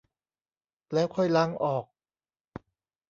แล้วค่อยล้างออก